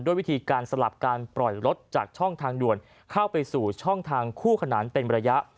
วิธีการสลับการปล่อยรถจากช่องทางด่วนเข้าไปสู่ช่องทางคู่ขนานเป็นระยะ